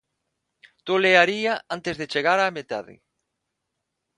Tolearía antes de chegar á metade.